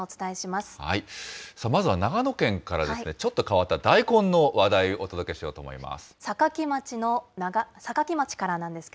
まずは長野県からですね、ちょっと変わった大根の話題、お届けしようと思います。